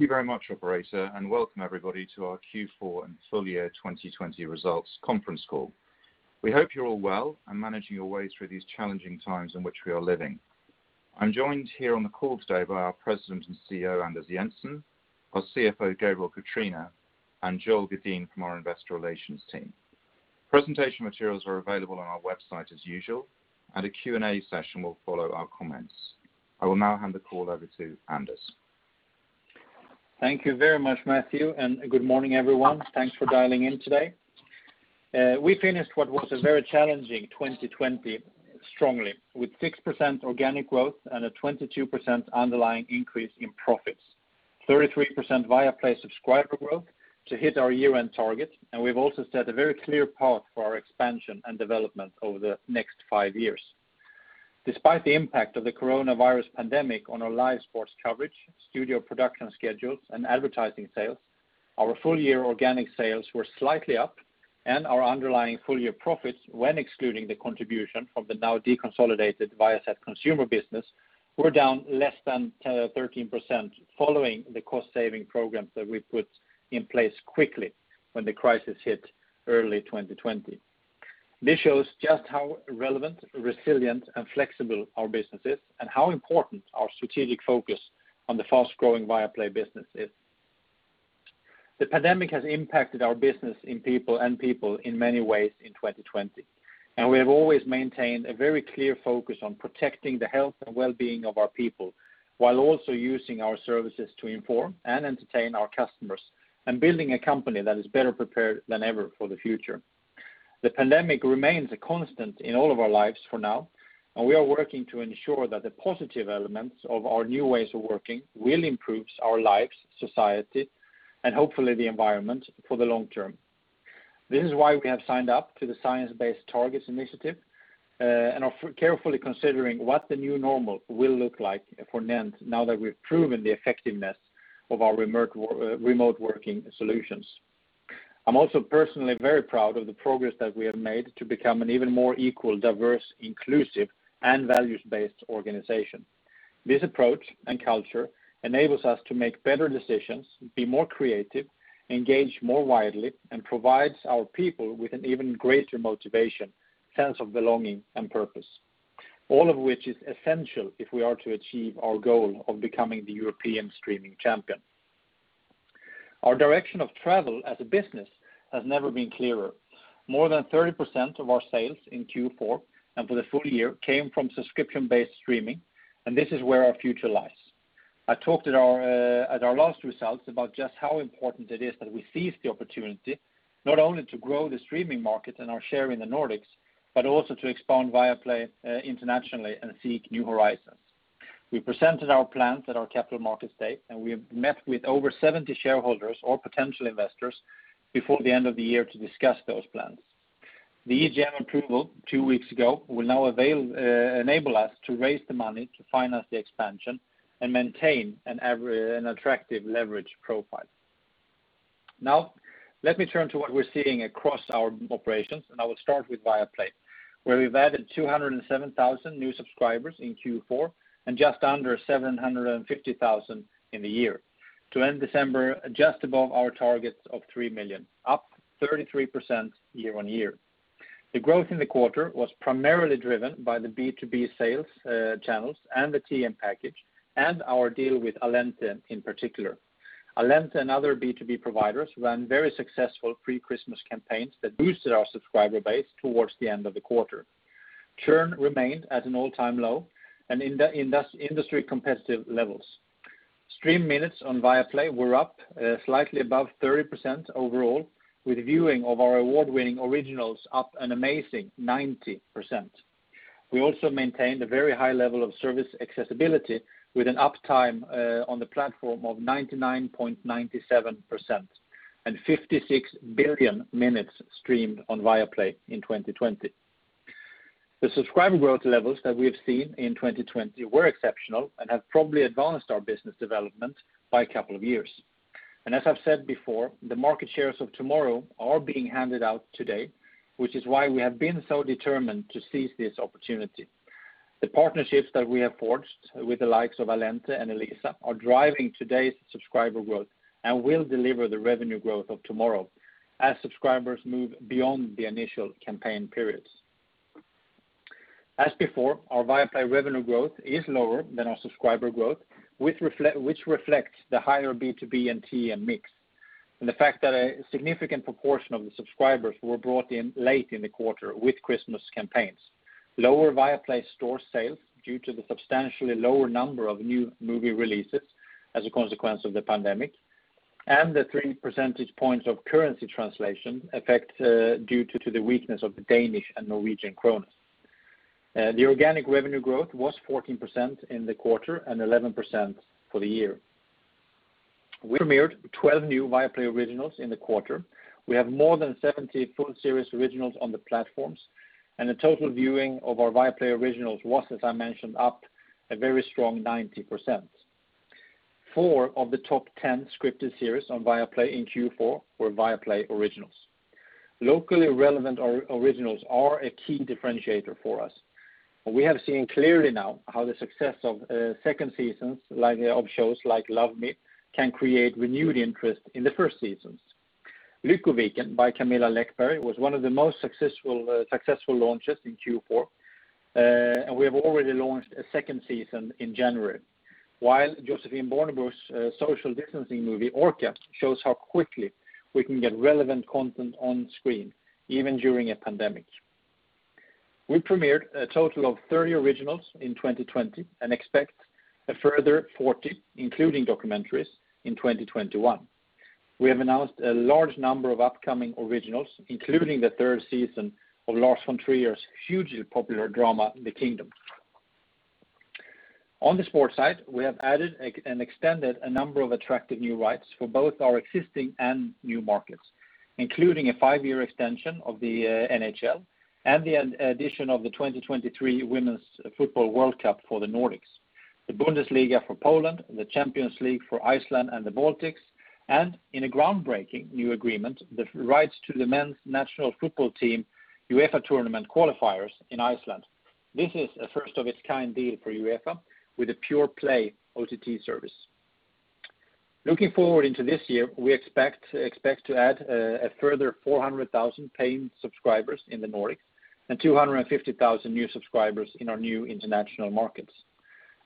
Thank you very much operator, welcome everybody to our Q4 and Full Year 2020 Results Conference Call. We hope you're all well and managing your way through these challenging times in which we are living. I'm joined here on the call today by our President and CEO, Anders Jensen, our CFO, Gabriel Catrina, and Joel Gedin from our Investor Relations team. Presentation materials are available on our website as usual, a Q&A session will follow our comments. I will now hand the call over to Anders. Thank you very much, Matthew, and good morning, everyone. Thanks for dialing in today. We finished what was a very challenging 2020 strongly, with 6% organic growth and a 22% underlying increase in profits, 33% Viaplay subscriber growth to hit our year-end target. We've also set a very clear path for our expansion and development over the next five years. Despite the impact of the coronavirus pandemic on our live sports coverage, studio production schedules, and advertising sales, our full-year organic sales were slightly up, and our underlying full-year profits, when excluding the contribution from the now deconsolidated Viasat Consumer business, were down less than 13% following the cost-saving programs that we put in place quickly when the crisis hit early 2020. This shows just how relevant, resilient, and flexible our business is, and how important our strategic focus on the fast-growing Viaplay business is. The pandemic has impacted our business and people in many ways in 2020, and we have always maintained a very clear focus on protecting the health and wellbeing of our people, while also using our services to inform and entertain our customers, and building a company that is better prepared than ever for the future. The pandemic remains a constant in all of our lives for now, and we are working to ensure that the positive elements of our new ways of working will improve our lives, society, and hopefully the environment for the long term. This is why we have signed up to the Science Based Targets initiative and are carefully considering what the new normal will look like for NENT now that we've proven the effectiveness of our remote working solutions. I'm also personally very proud of the progress that we have made to become an even more equal, diverse, inclusive, and values-based organization. This approach and culture enables us to make better decisions, be more creative, engage more widely, and provides our people with an even greater motivation, sense of belonging, and purpose. All of which is essential if we are to achieve our goal of becoming the European streaming champion. Our direction of travel as a business has never been clearer. More than 30% of our sales in Q4 and for the full year came from subscription-based streaming. This is where our future lies. I talked at our last results about just how important it is that we seize the opportunity, not only to grow the streaming market and our share in the Nordics, but also to expand Viaplay internationally and seek new horizons. We presented our plans at our capital market stage, and we have met with over 70 shareholders or potential investors before the end of the year to discuss those plans. The EGM approval two weeks ago will now enable us to raise the money to finance the expansion and maintain an attractive leverage profile. Now, let me turn to what we're seeing across our operations, and I will start with Viaplay, where we've added 207,000 new subscribers in Q4 and just under 750,000 in the year. To end December just above our targets of 3 million, up 33% year-on-year. The growth in the quarter was primarily driven by the B2B sales channels and the TM package, and our deal with Allente in particular. Allente and other B2B providers ran very successful pre-Christmas campaigns that boosted our subscriber base towards the end of the quarter. Churn remained at an all-time low and industry competitive levels. Stream minutes on Viaplay were up slightly above 30% overall, with viewing of our award-winning originals up an amazing 90%. We also maintained a very high level of service accessibility with an uptime on the platform of 99.97% and 56 billion minutes streamed on Viaplay in 2020. The subscriber growth levels that we have seen in 2020 were exceptional and have probably advanced our business development by a couple of years. As I've said before, the market shares of tomorrow are being handed out today, which is why we have been so determined to seize this opportunity. The partnerships that we have forged with the likes of Allente and Elisa are driving today's subscriber growth and will deliver the revenue growth of tomorrow as subscribers move beyond the initial campaign periods. As before, our Viaplay revenue growth is lower than our subscriber growth which reflects the higher B2B and TM mix, and the fact that a significant proportion of the subscribers were brought in late in the quarter with Christmas campaigns. Lower Viaplay store sales, due to the substantially lower number of new movie releases as a consequence of the pandemic, and the three percentage points of currency translation effect due to the weakness of the Danish and Norwegian kroner. The organic revenue growth was 14% in the quarter and 11% for the year. We premiered 12 new Viaplay Originals in the quarter. We have more than 70 full-series originals on the platforms, and the total viewing of our Viaplay Originals was, as I mentioned, up a very strong 90%. Four of the top 10 scripted series on Viaplay in Q4 were Viaplay Originals. Locally relevant originals are a key differentiator for us. We have seen clearly now how the success of second seasons of shows like "Love Me" can create renewed interest in the first seasons. "Lyckoviken" by Camilla Läckberg was one of the most successful launches in Q4, and we have already launched a second season in January. While Josephine Bornebusch's social distancing movie, "ORCA," shows how quickly we can get relevant content on screen, even during a pandemic. We premiered a total of 30 originals in 2020 and expect a further 40, including documentaries, in 2021. We have announced a large number of upcoming originals, including the third season of Lars von Trier's hugely popular drama, "The Kingdom." On the sports side, we have added and extended a number of attractive new rights for both our existing and new markets, including a five-year extension of the NHL and the addition of the 2023 Women's Football World Cup for the Nordics, the Bundesliga for Poland, the Champions League for Iceland and the Baltics, and in a groundbreaking new agreement, the rights to the men's national football team, UEFA tournament qualifiers in Iceland. This is a first of its kind deal for UEFA with a pure play OTT service. Looking forward into this year, we expect to add a further 400,000 paying subscribers in the Nordics and 250,000 new subscribers in our new international markets.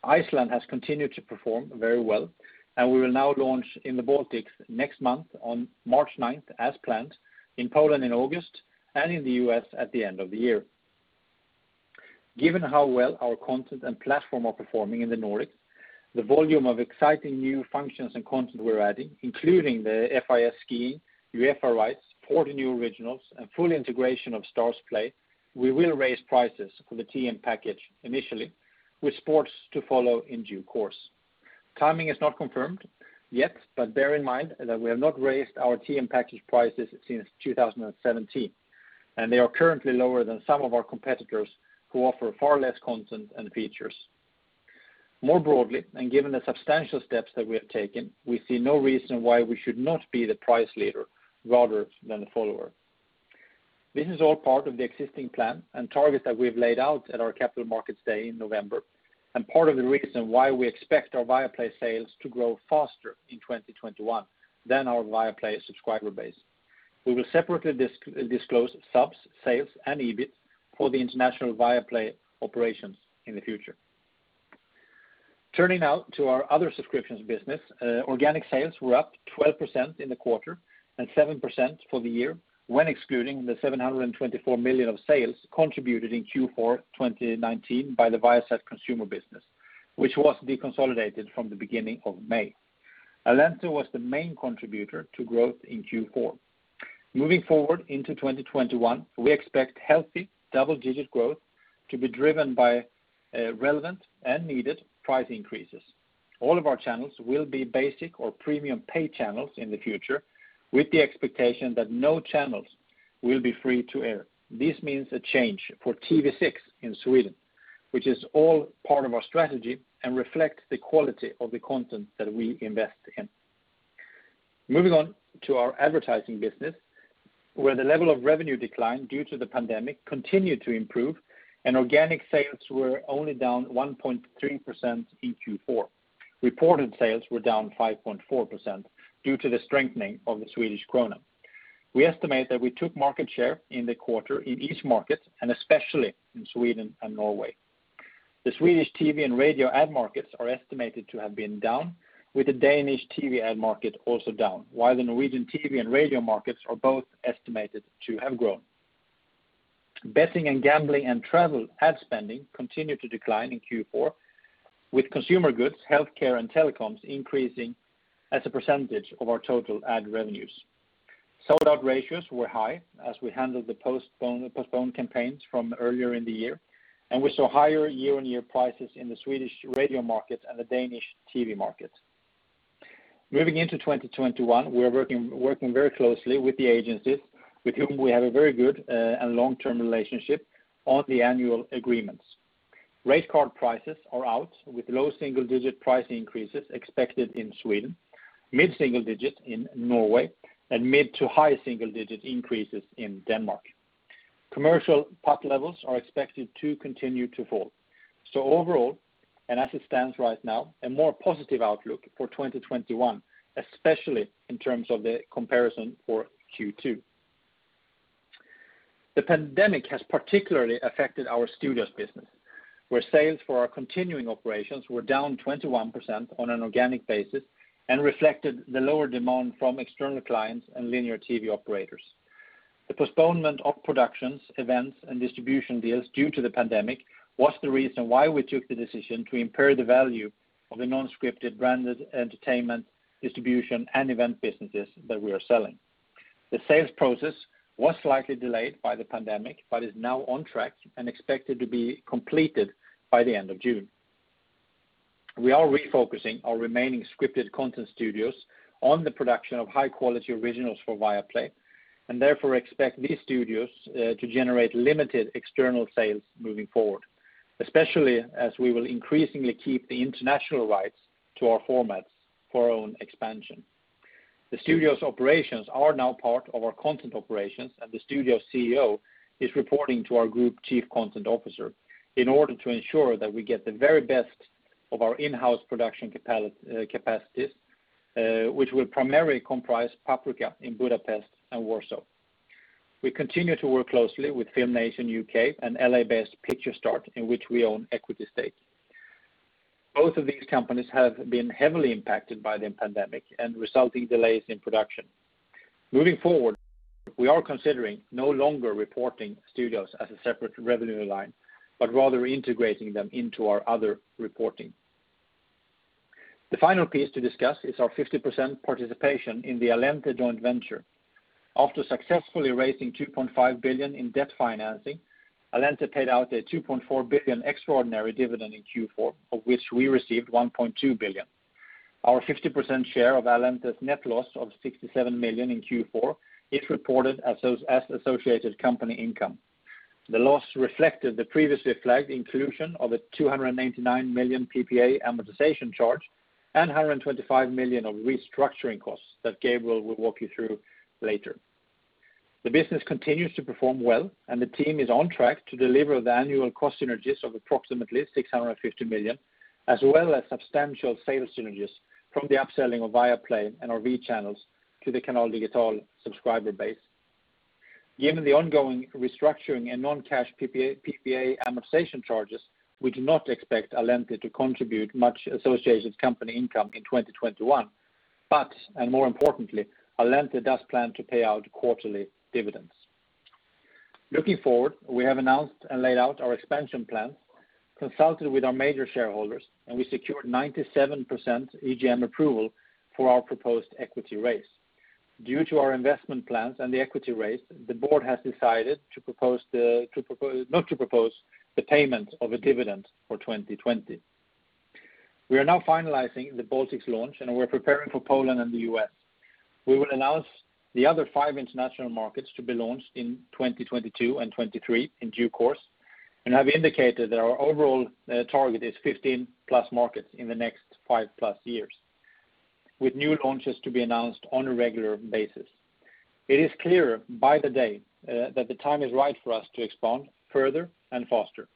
Iceland has continued to perform very well. We will now launch in the Baltics next month on March 9th, as planned, in Poland in August, and in the U.S. at the end of the year. Given how well our content and platform are performing in the Nordics, the volume of exciting new functions and content we're adding, including the FIS skiing, UEFA rights, 40 new originals, and full integration of Starzplay, we will raise prices for the TM package initially, with sports to follow in due course. Timing is not confirmed yet. Bear in mind that we have not raised our TM package prices since 2017, and they are currently lower than some of our competitors who offer far less content and features. More broadly, given the substantial steps that we have taken, we see no reason why we should not be the price leader rather than the follower. This is all part of the existing plan and targets that we've laid out at our capital markets day in November, and part of the reason why we expect our Viaplay sales to grow faster in 2021 than our Viaplay subscriber base. We will separately disclose subs, sales, and EBIT for the international Viaplay operations in the future. Turning now to our other subscriptions business, organic sales were up 12% in the quarter and 7% for the year, when excluding the 724 million of sales contributed in Q4 2019 by the Viasat Consumer business, which was deconsolidated from the beginning of May. Allente was the main contributor to growth in Q4. Moving forward into 2021, we expect healthy double-digit growth to be driven by relevant and needed price increases. All of our channels will be basic or premium paid channels in the future, with the expectation that no channels will be free to air. This means a change for TV6 in Sweden, which is all part of our strategy and reflects the quality of the content that we invest in. Moving on to our advertising business, where the level of revenue decline due to the pandemic continued to improve, and organic sales were only down 1.3% in Q4. Reported sales were down 5.4% due to the strengthening of the Swedish krona. We estimate that we took market share in the quarter in each market, and especially in Sweden and Norway. The Swedish TV and radio ad markets are estimated to have been down, with the Danish TV ad market also down. While the Norwegian TV and radio markets are both estimated to have grown. Betting and gambling and travel ad spending continued to decline in Q4, with consumer goods, healthcare, and telecoms increasing as a percentage of our total ad revenues. Sold-out ratios were high as we handled the postponed campaigns from earlier in the year, and we saw higher year-on-year prices in the Swedish radio market and the Danish TV market. Moving into 2021, we are working very closely with the agencies with whom we have a very good and long-term relationship on the annual agreements. Rate card prices are out, with low single-digit price increases expected in Sweden, mid-single digit in Norway, and mid to high single-digit increases in Denmark. Commercial CPT levels are expected to continue to fall. Overall, and as it stands right now, a more positive outlook for 2021, especially in terms of the comparison for Q2. The pandemic has particularly affected our studios business, where sales for our continuing operations were down 21% on an organic basis and reflected the lower demand from external clients and linear TV operators. The postponement of productions, events, and distribution deals due to the pandemic was the reason why we took the decision to impair the value of the non-scripted branded entertainment, distribution, and event businesses that we are selling. The sales process was slightly delayed by the pandemic, but is now on track and expected to be completed by the end of June. We are refocusing our remaining scripted content studios on the production of high-quality originals for Viaplay, and therefore expect these studios to generate limited external sales moving forward. Especially as we will increasingly keep the international rights to our formats for our own expansion. The studio's operations are now part of our content operations, and the studio CEO is reporting to our Group Chief Content Officer in order to ensure that we get the very best of our in-house production capacities, which will primarily comprise Paprika in Budapest and Warsaw. We continue to work closely with FilmNation UK and L.A.-based Picturestart, in which we own equity stake. Both of these companies have been heavily impacted by the pandemic and resulting delays in production. Moving forward, we are considering no longer reporting studios as a separate revenue line, but rather integrating them into our other reporting. The final piece to discuss is our 50% participation in the Allente joint venture. After successfully raising 2.5 billion in debt financing, Allente paid out a 2.4 billion extraordinary dividend in Q4, of which we received 1.2 billion. Our 50% share of Allente's net loss of 67 million in Q4 is reported as associated company income. The loss reflected the previously flagged inclusion of a 299 million PPA amortization charge and 125 million of restructuring costs that Gabriel will walk you through later. The business continues to perform well, and the team is on track to deliver the annual cost synergies of approximately 650 million, as well as substantial sales synergies from the upselling of Viaplay and our V channels to the Canal Digital subscriber base. Given the ongoing restructuring and non-cash PPA amortization charges, we do not expect Allente to contribute much associated company income in 2021. More importantly, Allente does plan to pay out quarterly dividends. Looking forward, we have announced and laid out our expansion plans, consulted with our major shareholders, and we secured 97% AGM approval for our proposed equity raise. Due to our investment plans and the equity raise, the board has decided not to propose the payment of a dividend for 2020. We are now finalizing the Baltics launch, and we're preparing for Poland and the U.S. We will announce the other five international markets to be launched in 2022 and 2023 in due course and have indicated that our overall target is 15+ markets in the next five-plus years, with new launches to be announced on a regular basis. It is clearer by the day that the time is right for us to expand further and faster.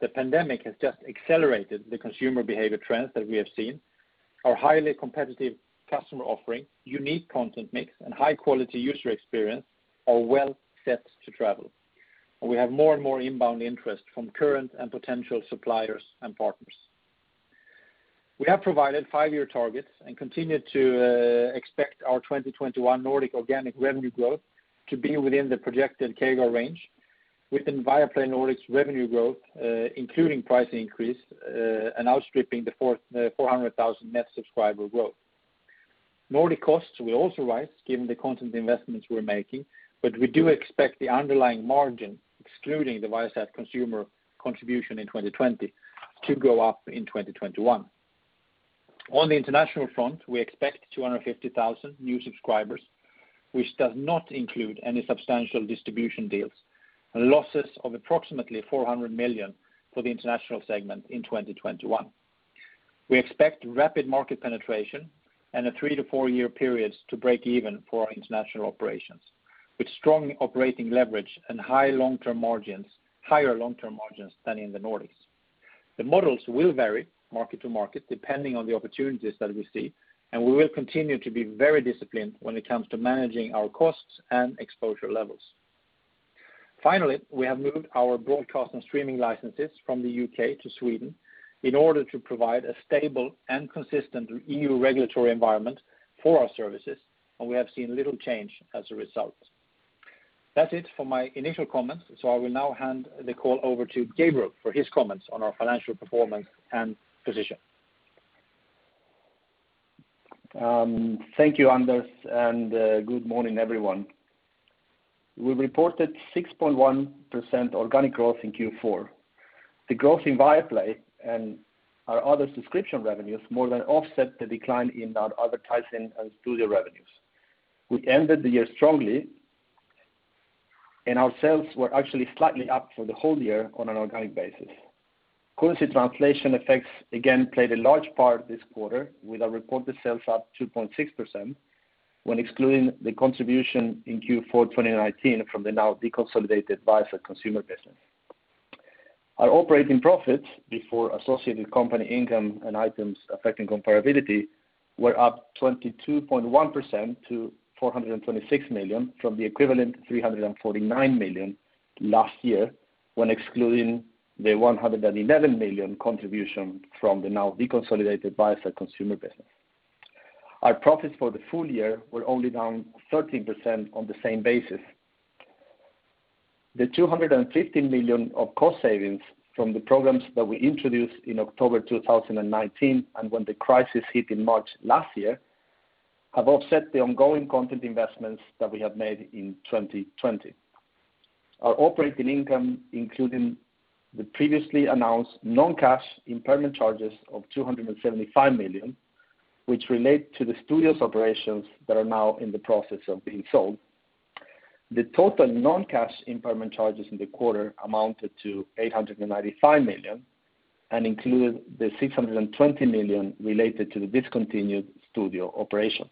The pandemic has just accelerated the consumer behavior trends that we have seen. Our highly competitive customer offering, unique content mix, and high-quality user experience are well set to travel. We have more and more inbound interest from current and potential suppliers and partners. We have provided five-year targets and continue to expect our 2021 Nordic organic revenue growth to be within the projected CAGR range, with Viaplay Nordic's revenue growth including price increase and outstripping the 400,000 net subscriber growth. Nordic costs will also rise given the content investments we're making, but we do expect the underlying margin, excluding the Viasat Consumer contribution in 2020, to go up in 2021. On the international front, we expect 250,000 new subscribers, which does not include any substantial distribution deals, and losses of approximately 400 million for the international segment in 2021. We expect rapid market penetration and a three- to four-year period to break even for our international operations, with strong operating leverage and higher long-term margins than in the Nordics. The models will vary market to market, depending on the opportunities that we see, and we will continue to be very disciplined when it comes to managing our costs and exposure levels. Finally, we have moved our broadcast and streaming licenses from the U.K. to Sweden in order to provide a stable and consistent EU regulatory environment for our services, and we have seen little change as a result. That's it for my initial comments. I will now hand the call over to Gabriel for his comments on our financial performance and position. Thank you, Anders, and good morning, everyone. We reported 6.1% organic growth in Q4. The growth in Viaplay and our other subscription revenues more than offset the decline in our advertising and studio revenues. We ended the year strongly, and our sales were actually slightly up for the whole year on an organic basis. Currency translation effects again played a large part this quarter, with our reported sales up 2.6% when excluding the contribution in Q4 2019 from the now deconsolidated Viasat Consumer business. Our operating profits before associated company income and Items Affecting Comparability were up 22.1% to 426 million from the equivalent 349 million last year when excluding the 111 million contribution from the now deconsolidated Viasat Consumer business. Our profits for the full year were only down 13% on the same basis. The 250 million of cost savings from the programs that we introduced in October 2019 and when the crisis hit in March 2020 have offset the ongoing content investments that we have made in 2020. Our operating income, including the previously announced non-cash impairment charges of 275 million, which relate to the studio's operations that are now in the process of being sold. The total non-cash impairment charges in the quarter amounted to 895 million and included the 620 million related to the discontinued studio operations.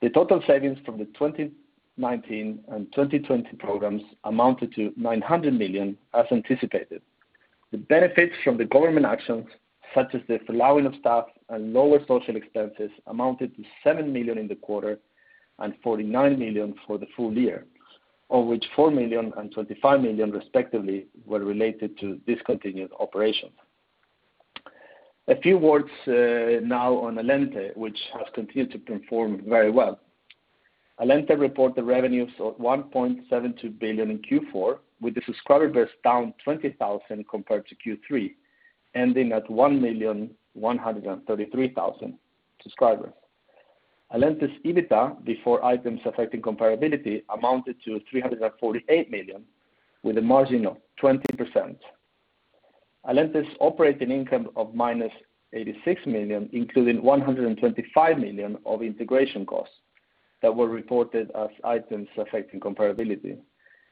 The total savings from the 2019 and 2020 programs amounted to 900 million as anticipated. The benefits from the government actions, such as the furloughing of staff and lower social expenses, amounted to 7 million in the quarter and 49 million for the full year, of which 4 million and 25 million, respectively, were related to discontinued operations. A few words now on Allente, which has continued to perform very well. Allente reported revenues of 1.72 billion in Q4, with the subscriber base down 20,000 compared to Q3, ending at 1,133,000 subscribers. Allente's EBITDA, before items affecting comparability, amounted to 348 million, with a margin of 20%. Allente's operating income of -86 million included 125 million of integration costs that were reported as items affecting comparability,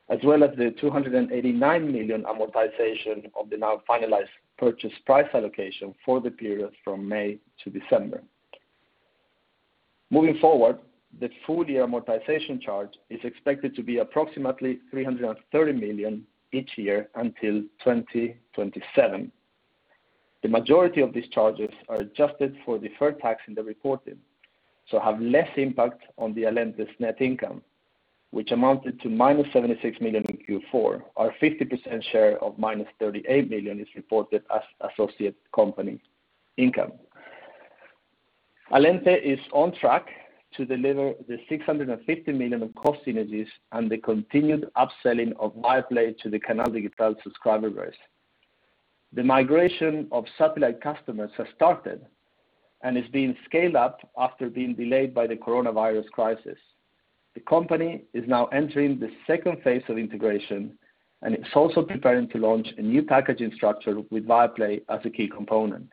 as well as the 289 million amortization of the now finalized purchase price allocation for the period from May to December. Moving forward, the full-year amortization charge is expected to be approximately 330 million each year until 2027. The majority of these charges are adjusted for deferred tax in the reporting, so have less impact on the Allente's net income, which amounted to -76 million in Q4. Our 50% share of -38 million is reported as associate company income. Allente is on track to deliver the 650 million of cost synergies and the continued upselling of Viaplay to the Canal Digital subscriber base. The migration of satellite customers has started and is being scaled up after being delayed by the coronavirus crisis. The company is now entering the second phase of integration, and it's also preparing to launch a new packaging structure with Viaplay as a key component.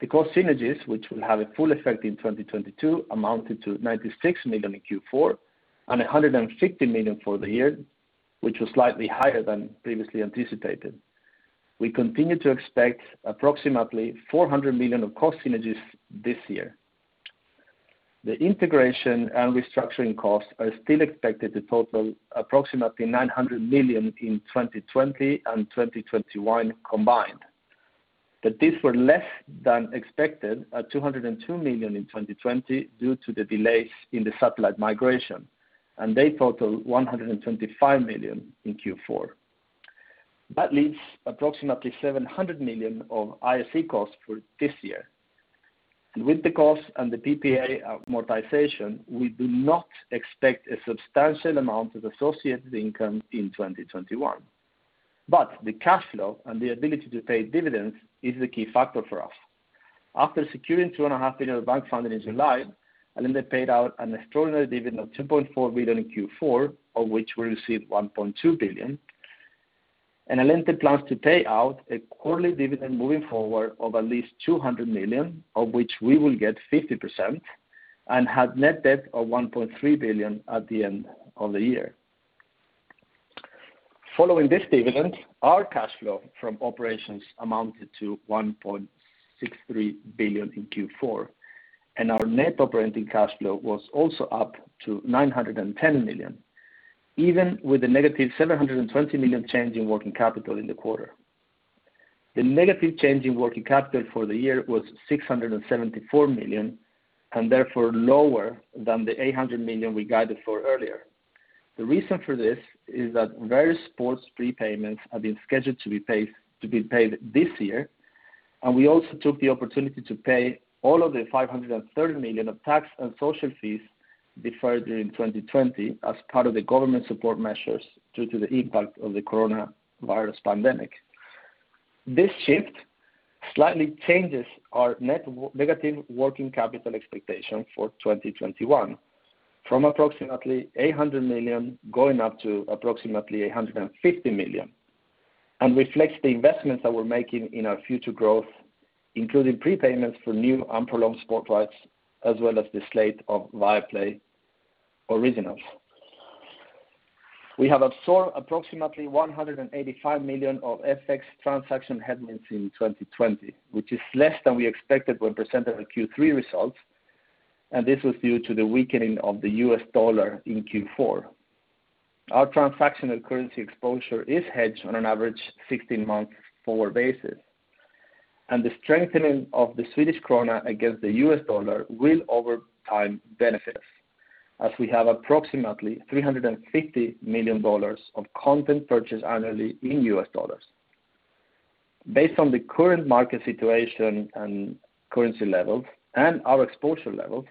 The cost synergies, which will have a full effect in 2022, amounted to 96 million in Q4 and 150 million for the year, which was slightly higher than previously anticipated. We continue to expect approximately 400 million of cost synergies this year. The integration and restructuring costs are still expected to total approximately 900 million in 2020 and 2021 combined. These were less than expected at 202 million in 2020 due to the delays in the satellite migration, and they total 125 million in Q4. That leaves approximately 700 million of IAC costs for this year. With the costs and the PPA amortization, we do not expect a substantial amount of associated income in 2021. The cash flow and the ability to pay dividends is the key factor for us. After securing 2.5 billion of bank funding in July, Allente paid out an extraordinary dividend of 2.4 billion in Q4, of which we received 1.2 billion. Allente plans to pay out a quarterly dividend moving forward of at least 200 million, of which we will get 50%, and had net debt of 1.3 billion at the end of the year. Following this dividend, our cash flow from operations amounted to 1.63 billion in Q4, our net operating cash flow was also up to 910 million, even with a -720 million change in working capital in the quarter. The negative change in working capital for the year was 674 million, therefore lower than the 800 million we guided for earlier. The reason for this is that various sports prepayments have been scheduled to be paid this year, we also took the opportunity to pay all of the 530 million of tax and social fees deferred during 2020 as part of the government support measures due to the impact of the coronavirus pandemic. This shift slightly changes our net negative working capital expectation for 2021 from approximately 800 million, going up to approximately 150 million, and reflects the investments that we're making in our future growth, including prepayments for new and prolonged sports rights, as well as the slate of Viaplay Originals. We have absorbed approximately 185 million of FX transactional headwinds in 2020, which is less than we expected when presenting the Q3 results. This was due to the weakening of the U.S. dollar in Q4. Our transactional currency exposure is hedged on an average 16-month forward basis. The strengthening of the Swedish krona against the U.S. dollar will over time benefit us, as we have approximately $350 million of content purchased annually in U.S. dollars. Based on the current market situation and currency levels and our exposure levels,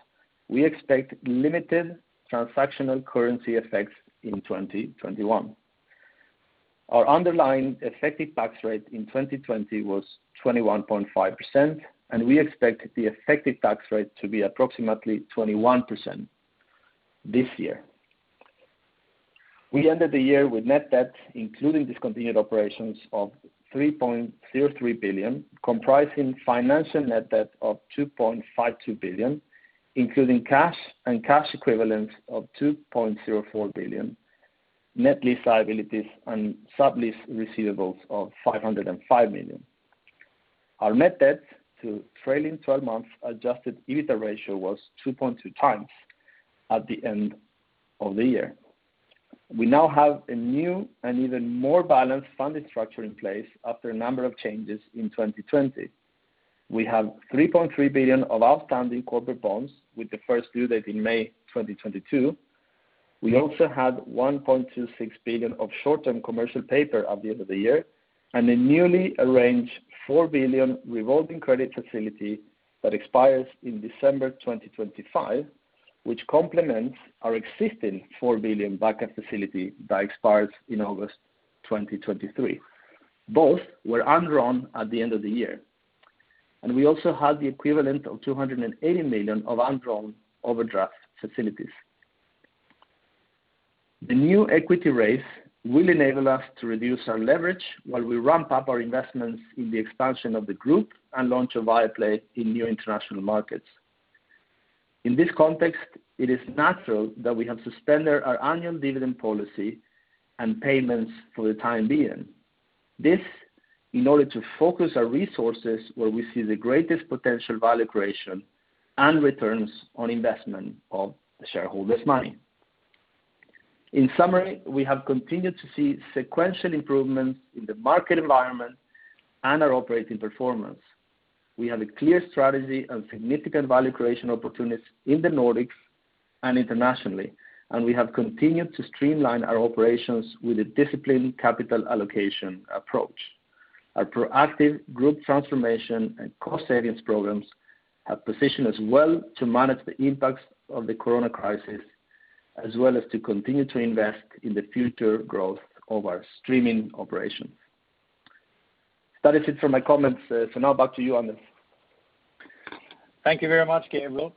we expect limited transactional currency effects in 2021. Our underlying effective tax rate in 2020 was 21.5%, and we expect the effective tax rate to be approximately 21% this year. We ended the year with net debt, including discontinued operations of 3.03 billion, comprising financial net debt of 2.52 billion, including cash and cash equivalents of 2.04 billion, net lease liabilities and sublease receivables of 505 million. Our net debt to trailing 12 months adjusted EBITA ratio was 2.2x at the end of the year. We now have a new and even more balanced funding structure in place after a number of changes in 2020. We have 3.3 billion of outstanding corporate bonds with the first due date in May 2022. We also had 1.26 billion of short-term commercial paper at the end of the year, and a newly arranged 4 billion revolving credit facility that expires in December 2025, which complements our existing 4 billion backup facility that expires in August 2023. Both were undrawn at the end of the year. We also had the equivalent of 280 million of undrawn overdraft facilities. The new equity raise will enable us to reduce our leverage while we ramp up our investments in the expansion of the group and launch of Viaplay in new international markets. In this context, it is natural that we have suspended our annual dividend policy and payments for the time being. This, in order to focus our resources where we see the greatest potential value creation and returns on investment of the shareholders' money. We have continued to see sequential improvements in the market environment and our operating performance. We have a clear strategy and significant value creation opportunities in the Nordics and internationally, and we have continued to streamline our operations with a disciplined capital allocation approach. Our proactive group transformation and cost savings programs have positioned us well to manage the impacts of the corona crisis, as well as to continue to invest in the future growth of our streaming operations. That is it for my comments. Now back to you, Anders. Thank you very much, Gabriel.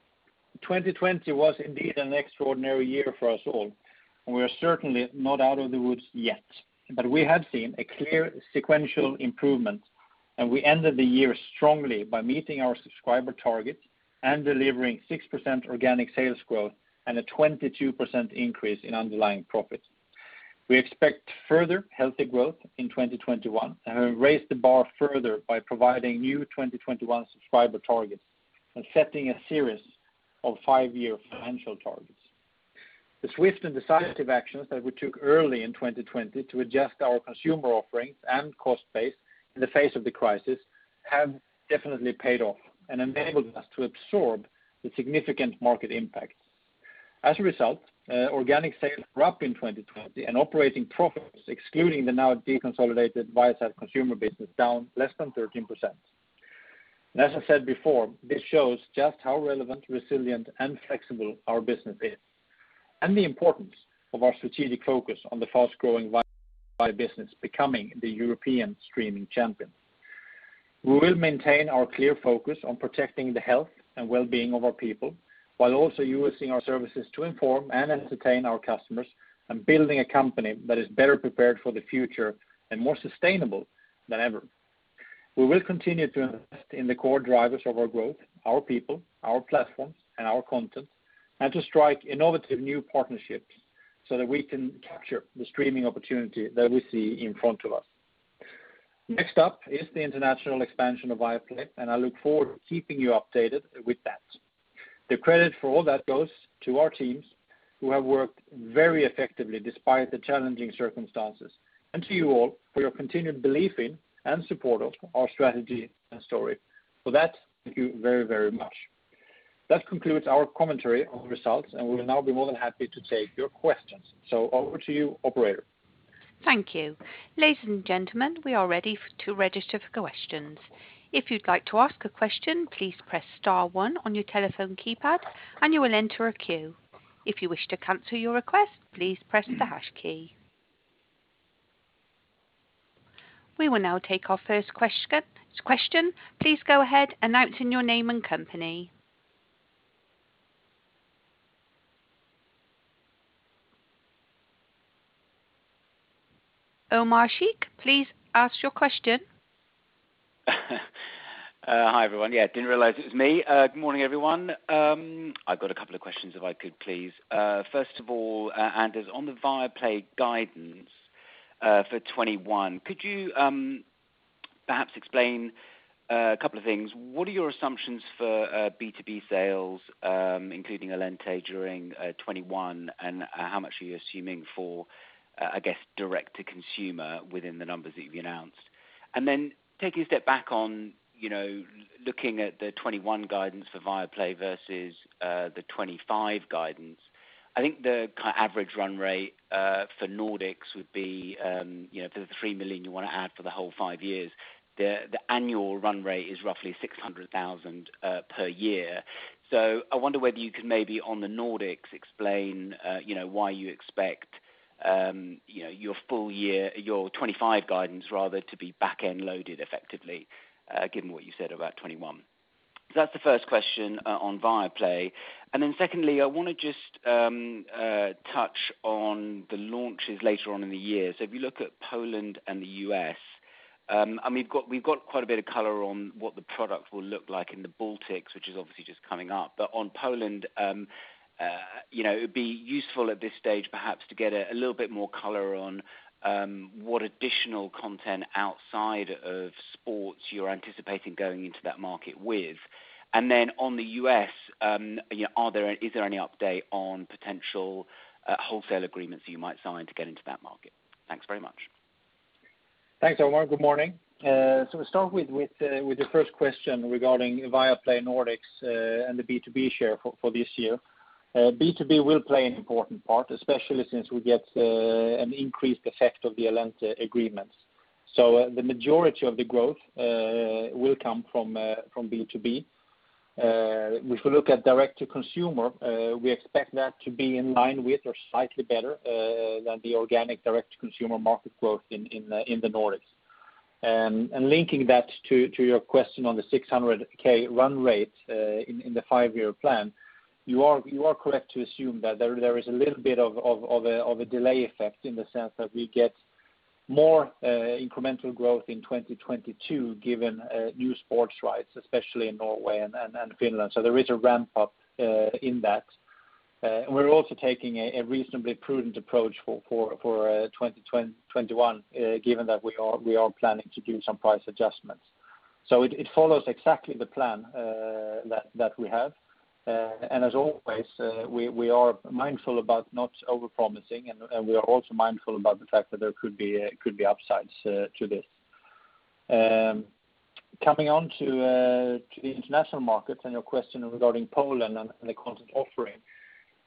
2020 was indeed an extraordinary year for us all, and we are certainly not out of the woods yet. We have seen a clear sequential improvement, and we ended the year strongly by meeting our subscriber targets and delivering 6% organic sales growth and a 22% increase in underlying profits. We expect further healthy growth in 2021, and have raised the bar further by providing new 2021 subscriber targets and setting a series of five-year financial targets. The swift and decisive actions that we took early in 2020 to adjust our consumer offerings and cost base in the face of the crisis have definitely paid off and enabled us to absorb the significant market impacts. As a result, organic sales were up in 2020, and operating profits, excluding the now deconsolidated Viasat Consumer business, down less than 13%. As I said before, this shows just how relevant, resilient, and flexible our business is, and the importance of our strategic focus on the fast-growing Viaplay business becoming the European streaming champion. We will maintain our clear focus on protecting the health and wellbeing of our people, while also using our services to inform and entertain our customers and building a company that is better prepared for the future and more sustainable than ever. We will continue to invest in the core drivers of our growth, our people, our platforms, and our content, and to strike innovative new partnerships so that we can capture the streaming opportunity that we see in front of us. Next up is the international expansion of Viaplay, and I look forward to keeping you updated with that. The credit for all that goes to our teams who have worked very effectively despite the challenging circumstances, to you all for your continued belief in and support of our strategy and story. For that, thank you very much. That concludes our commentary on the results, we'll now be more than happy to take your questions. Over to you, operator. Thank you. Ladies and gentlemen, we are ready to register for questions. If you would like to ask a question, please press star one on your telephone keypad and you will enter a queue. If you wish to cancel your request, please press the hash key. We will now take our first question. Please go ahead and state your name and company. Omar Sheikh, please ask your question. Hi, everyone. Yeah, didn't realize it was me. Good morning, everyone. I've got a couple of questions if I could, please. First of all, Anders, on the Viaplay guidance for 2021, could you perhaps explain a couple of things? What are your assumptions for B2B sales, including Allente during 2021, and how much are you assuming for, I guess, direct to consumer within the numbers that you've announced? Then taking a step back on looking at the 2021 guidance for Viaplay versus the 2025 guidance. I think the average run rate for Nordics would be, for the 3 million you want to add for the whole five years, the annual run rate is roughly 600,000 per year. I wonder whether you could maybe on the Nordics explain why you expect your 2025 guidance rather to be backend loaded effectively, given what you said about 2021. That's the first question on Viaplay. Secondly, I want to just touch on the launches later on in the year. If you look at Poland and the U.S., we've got quite a bit of color on what the product will look like in the Baltics, which is obviously just coming up. On Poland, it'd be useful at this stage perhaps to get a little bit more color on what additional content outside of sports you're anticipating going into that market with. On the U.S., is there any update on potential wholesale agreements that you might sign to get into that market? Thanks very much. Thanks, Omar. Good morning. We'll start with the first question regarding Viaplay Nordics, and the B2B share for this year. B2B will play an important part, especially since we get an increased effect of the Allente agreements. The majority of the growth will come from B2B. If we look at direct-to-consumer, we expect that to be in line with or slightly better than the organic direct-to-consumer market growth in the Nordics. Linking that to your question on the 600,000 run rate, in the five-year plan, you are correct to assume that there is a little bit of a delay effect in the sense that we get more incremental growth in 2022, given new sports rights, especially in Norway and Finland. There is a ramp-up in that. We are also taking a reasonably prudent approach for 2021, given that we are planning to do some price adjustments. It follows exactly the plan that we have. As always, we are mindful about not over-promising, and we are also mindful about the fact that there could be upsides to this. Coming on to the international markets and your question regarding Poland and the content offering.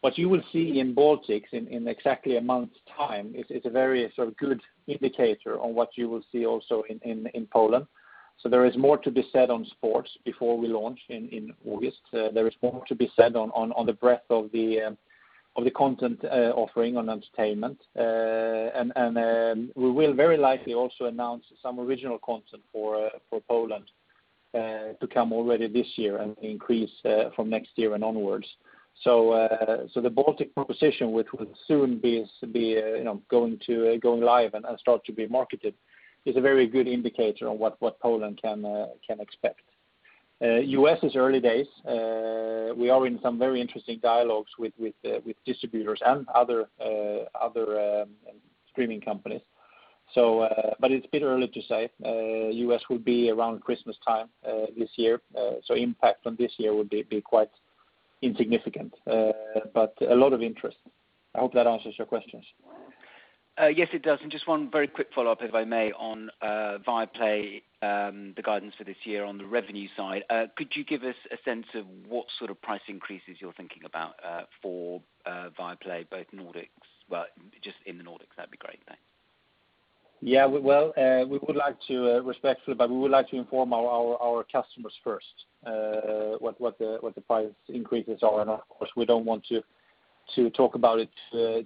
What you will see in Baltics in exactly a month's time is a very good indicator on what you will see also in Poland. There is more to be said on sports before we launch in August. There is more to be said on the breadth of the content offering on entertainment. We will very likely also announce some original content for Poland to come already this year and increase from next year and onwards. The Baltic proposition, which will soon be going live and start to be marketed, is a very good indicator on what Poland can expect. U.S. is early days. We are in some very interesting dialogues with distributors and other streaming companies. It's a bit early to say. U.S. will be around Christmas time this year. Impact on this year would be quite insignificant. A lot of interest. I hope that answers your questions. Yes, it does. Just one very quick follow-up, if I may, on Viaplay, the guidance for this year on the revenue side. Could you give us a sense of what sort of price increases you're thinking about for Viaplay, both Nordics, well, just in the Nordics? That'd be great. Thanks. Yeah. We would like to respectfully, but we would like to inform our customers first what the price increases are. Of course, we don't want to talk about it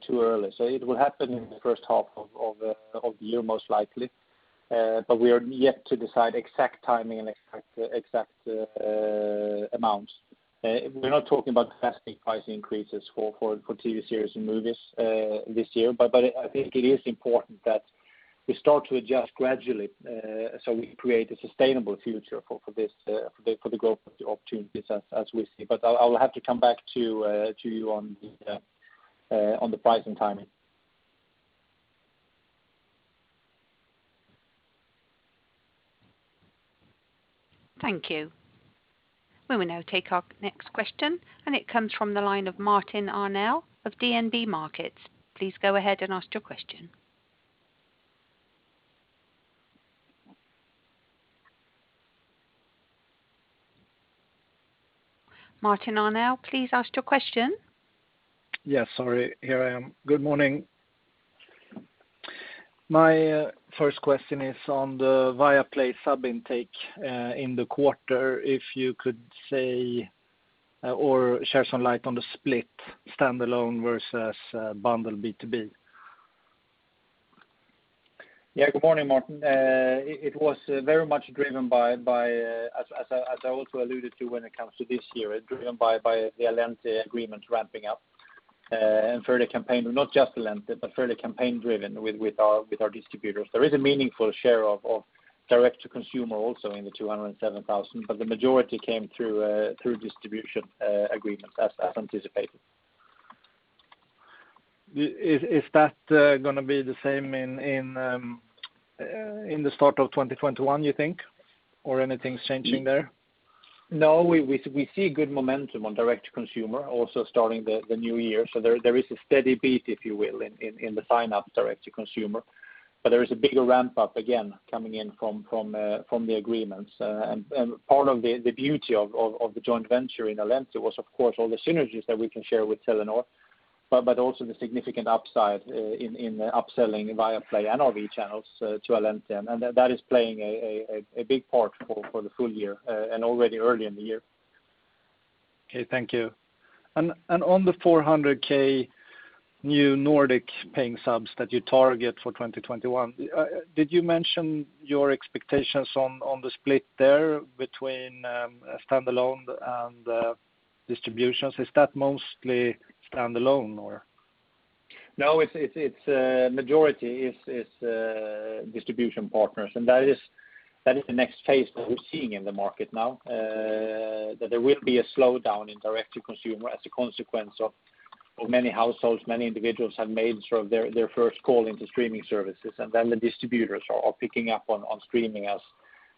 too early. It will happen in the first half of the year most likely. We are yet to decide exact timing and exact amounts. We're not talking about drastic price increases for TV series and movies this year. I think it is important that we start to adjust gradually, so we create a sustainable future for the growth opportunities as we see. I'll have to come back to you on the price and timing. Thank you. We will now take our next question. It comes from the line of Martin Arnell of DNB Markets. Please go ahead and ask your question. Martin Arnell, please ask your question. Yeah, sorry. Here I am. Good morning. My first question is on the Viaplay sub intake in the quarter. If you could say or share some light on the split standalone versus bundle B2B. Yeah. Good morning, Martin. It was very much driven by, as I also alluded to when it comes to this year, driven by the Allente agreement ramping up, and fairly campaign, not just Allente, but fairly campaign-driven with our distributors. There is a meaningful share of direct to consumer also in the 207,000, but the majority came through distribution agreements as anticipated. Is that going to be the same in the start of 2021, you think? Or anything changing there? We see good momentum on direct to consumer also starting the new year. There is a steady beat, if you will, in the sign-ups direct to consumer. There is a bigger ramp-up again, coming in from the agreements. Part of the beauty of the joint venture in Allente was, of course, all the synergies that we can share with Telenor, but also the significant upside in upselling Viaplay and our V channels to Allente. That is playing a big part for the full year and already early in the year. Okay, thank you. On the 400,000 new Nordic paying subs that you target for 2021, did you mention your expectations on the split there between standalone and distributions? Is that mostly standalone? No, majority is distribution partners, and that is the next phase that we're seeing in the market now, that there will be a slowdown in direct-to-consumer as a consequence of many households, many individuals have made their first call into streaming services, and then the distributors are picking up on streaming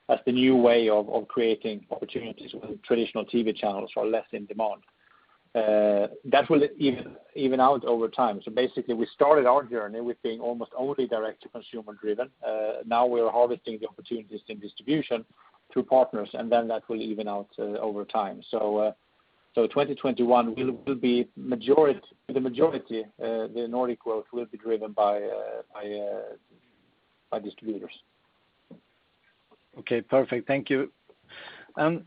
as the new way of creating opportunities when traditional TV channels are less in demand. That will even out over time. Basically, we started our journey with being almost only direct-to-consumer driven. Now we're harvesting the opportunities in distribution through partners, and then that will even out over time. 2021, the majority, the Nordic growth will be driven by distributors. Okay, perfect. Thank you. Then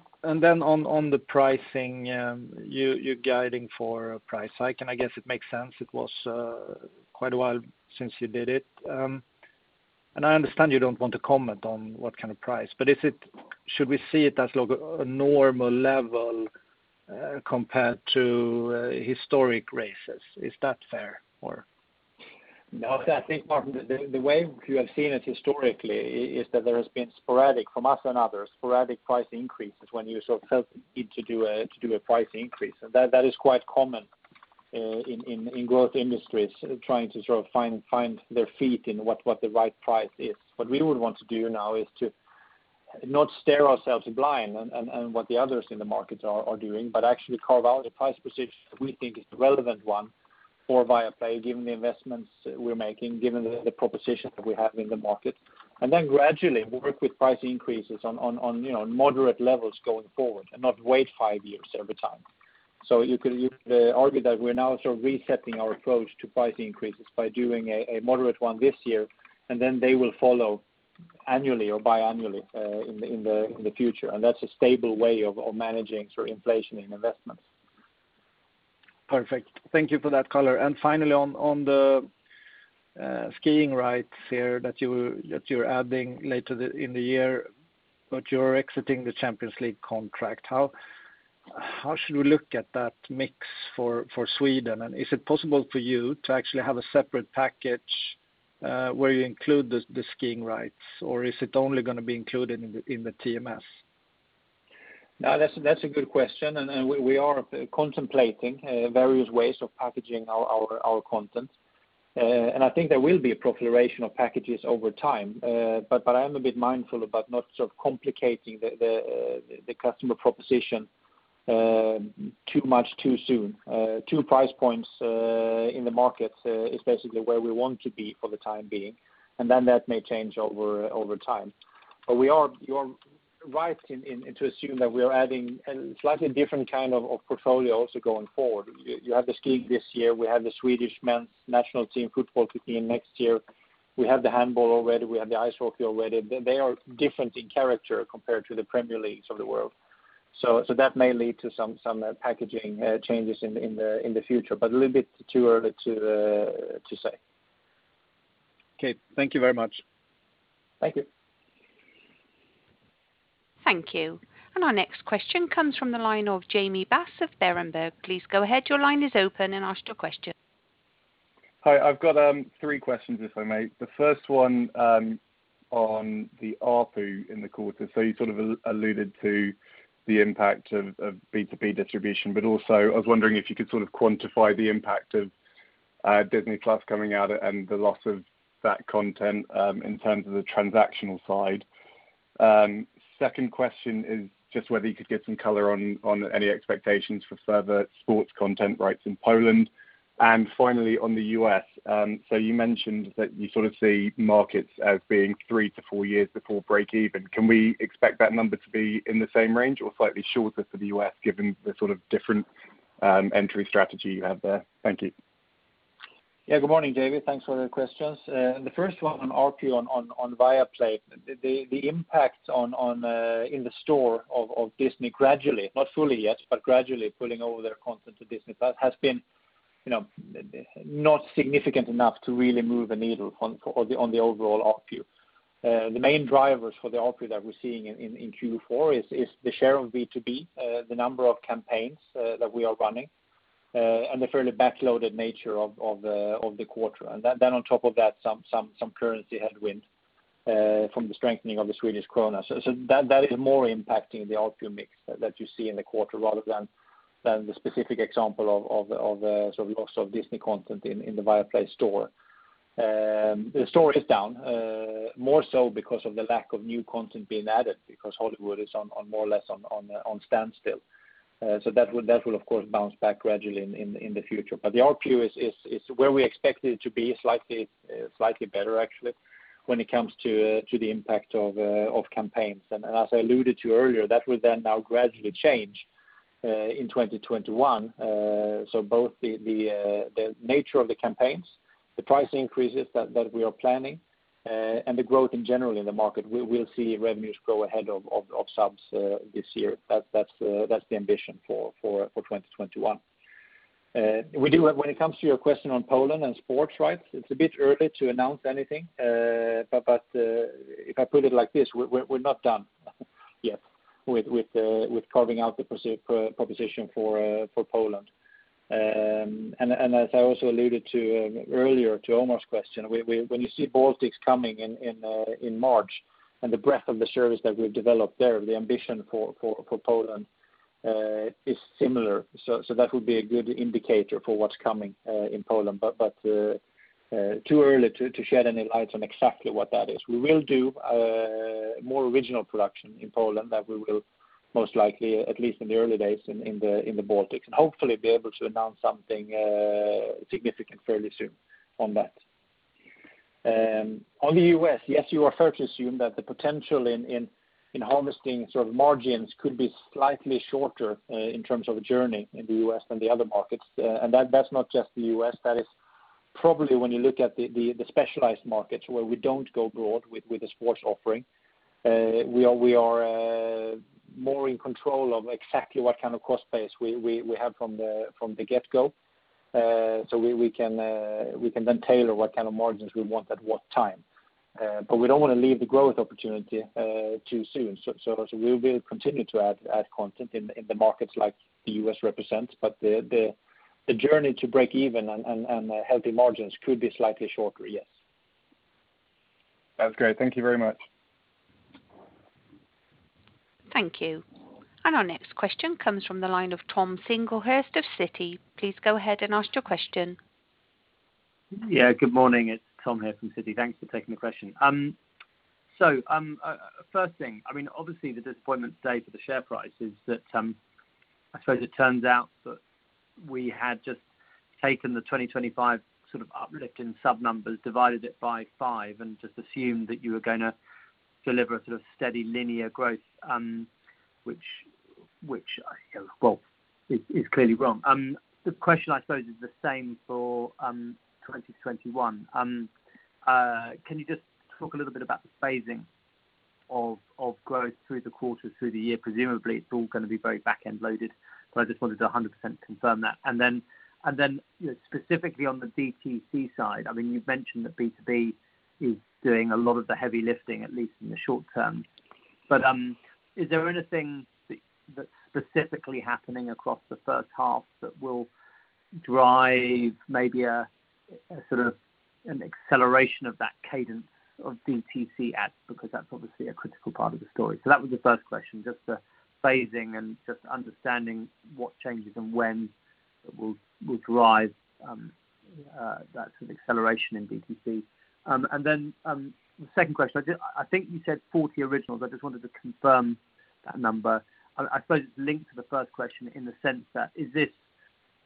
on the pricing, you're guiding for a price hike, and I guess it makes sense. It was quite a while since you did it. I understand you don't want to comment on what kind of price, but should we see it as a normal level compared to historic raises? Is that fair? No. I think, Martin, the way you have seen it historically is that there has been sporadic, from us and others, sporadic price increases when you sort of felt the need to do a price increase. That is quite common in growth industries trying to find their feet in what the right price is. What we would want to do now is to not stare ourselves blind on what the others in the markets are doing, but actually carve out a price position that we think is the relevant one for Viaplay, given the investments we're making, given the proposition that we have in the market. Then gradually work with price increases on moderate levels going forward and not wait five years every time. You could argue that we're now sort of resetting our approach to price increases by doing a moderate one this year, and then they will follow annually or biannually in the future. That's a stable way of managing inflation and investments. Perfect. Thank you for that color. Finally, on the skiing rights here that you're adding later in the year, but you're exiting the Champions League contract. How should we look at that mix for Sweden? Is it possible for you to actually have a separate package where you include the skiing rights, or is it only going to be included in the TMS? No, that's a good question, and we are contemplating various ways of packaging our content. I think there will be a proliferation of packages over time. I am a bit mindful about not complicating the customer proposition too much too soon. Two price points in the market is basically where we want to be for the time being, and then that may change over time. You are right to assume that we are adding a slightly different kind of portfolio also going forward. You have the skiing this year. We have the Swedish men's national team football picking next year. We have the handball already. We have the ice hockey already. They are different in character compared to the Premier Leagues of the world. That may lead to some packaging changes in the future, but a little bit too early to say. Okay. Thank you very much. Thank you. Thank you. Our next question comes from the line of Jamie Bass of Berenberg. Please go ahead. Your line is open and ask your question. Hi, I've got three questions, if I may. The first one on the ARPU in the quarter. You sort of alluded to the impact of B2B distribution, but also I was wondering if you could sort of quantify the impact of Disney+ coming out and the loss of that content in terms of the transactional side. Second question is just whether you could give some color on any expectations for further sports content rights in Poland. Finally, on the U.S., you mentioned that you sort of see markets as being three to four years before breakeven. Can we expect that number to be in the same range or slightly shorter for the U.S., given the sort of different entry strategy you have there? Thank you. Yeah, good morning, Jamie. Thanks for the questions. The first one on ARPU on Viaplay. The impact in the store of Disney gradually, not fully yet, but gradually pulling over their content to Disney+. That has been not significant enough to really move a needle on the overall ARPU. The main drivers for the ARPU that we're seeing in Q4 is the share of B2B, the number of campaigns that we are running, and the fairly back-loaded nature of the quarter. Then on top of that, some currency headwind from the strengthening of the Swedish krona. That is more impacting the ARPU mix that you see in the quarter rather than the specific example of the loss of Disney content in the Viaplay store. The store is down, more so because of the lack of new content being added because Hollywood is more or less on standstill. That will, of course, bounce back gradually in the future. The ARPU is where we expect it to be, slightly better, actually, when it comes to the impact of campaigns. As I alluded to earlier, that will then now gradually change in 2021. Both the nature of the campaigns, the price increases that we are planning and the growth in general in the market, we will see revenues grow ahead of subs this year. That's the ambition for 2021. When it comes to your question on Poland and sports rights, it's a bit early to announce anything. If I put it like this, we're not done yet with carving out the proposition for Poland. As I also alluded to earlier to Omar's question, when you see Baltics coming in March and the breadth of the service that we've developed there, the ambition for Poland is similar. That would be a good indicator for what's coming in Poland. Too early to shed any light on exactly what that is. We will do more original production in Poland than we will most likely, at least in the early days, in the Baltics, and hopefully be able to announce something significant fairly soon on that. On the U.S., yes, you are fair to assume that the potential in harvesting sort of margins could be slightly shorter in terms of a journey in the U.S. than the other markets. That's not just the U.S., that is probably when you look at the specialized markets where we don't go broad with a sports offering. We are more in control of exactly what kind of cost base we have from the get-go. We can then tailor what kind of margins we want at what time. We don't want to leave the growth opportunity too soon. We will continue to add content in the markets like the U.S. represents, but the journey to break even and healthy margins could be slightly shorter, yes. That's great. Thank you very much. Thank you. Our next question comes from the line of Tom Singlehurst of Citi. Please go ahead and ask your question. Good morning, Tom Singlehurst from Citi. First thing, obviously the disappointment today for the share price is that, I suppose it turns out that we had just taken the 2025 sort of uplift in sub numbers, divided it by five, and just assumed that you were going to deliver a sort of steady linear growth, which is clearly wrong. The question, I suppose, is the same for 2021. Can you just talk a little bit about the phasing of growth through the quarters, through the year? Presumably, it's all going to be very back-end loaded, I just wanted to 100% confirm that. Specifically on the DTC side, you've mentioned that B2B is doing a lot of the heavy lifting, at least in the short term. Is there anything that is specifically happening across the first half that will drive maybe a sort of an acceleration of that cadence of DTC adds? That is obviously a critical part of the story. That was the first question, just the phasing and just understanding what changes and when will drive that sort of acceleration in DTC. The second question, I think you said 40 originals. I just wanted to confirm that number. I suppose it is linked to the first question in the sense that, is this